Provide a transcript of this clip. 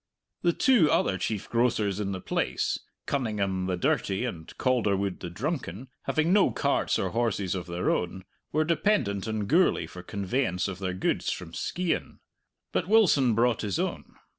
The two other chief grocers in the place, Cunningham the dirty and Calderwood the drunken, having no carts or horses of their own, were dependent on Gourlay for conveyance of their goods from Skeighan. But Wilson brought his own.